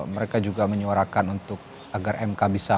mereka juga menyuarakan untuk agar mk bisa